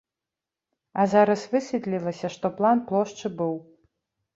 А зараз высветлілася, што план плошчы быў.